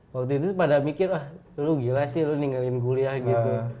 waktu itu pada mikir ah lu gila sih lu ninggalin kuliah gitu